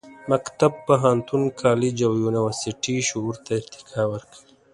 مکتب، پوهنتون، کالج او یونیورسټي شعور ته ارتقا ورکوي.